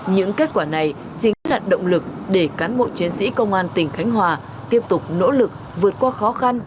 những kết quả này chính là động lực để cán bộ chiến sĩ công an tỉnh khánh hòa tiếp tục nỗ lực vượt qua khó khăn